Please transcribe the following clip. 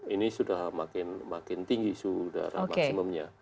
ini sudah makin tinggi sudah maksimumnya